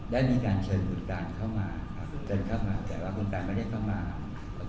ได้มีการเชิญคุณการเข้ามาแต่ว่าคุณการไม่ได้เข้ามาครับ